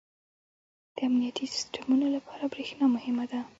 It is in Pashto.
• د امنیتي سیسټمونو لپاره برېښنا مهمه ده.